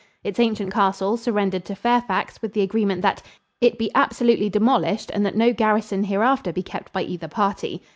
Its ancient castle surrendered to Fairfax with the agreement that "it be absolutely demolished and that no garrison hereafter be kept by either party."